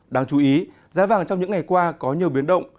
đáng chú ý giá vàng trong những ngày qua có nhiều biến động